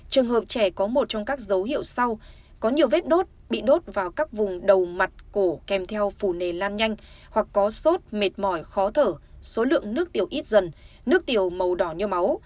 trường hợp trẻ có một trong các dấu hiệu sau có nhiều vết đốt bị đốt vào các vùng đầu mặt cổ kèm theo phủ nề lan nhanh hoặc có sốt mệt mỏi khó thở số lượng nước tiểu ít dần nước tiểu màu đỏ nho máu